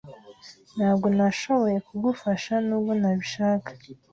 Ntabwo nashoboye kugufasha nubwo nabishaka.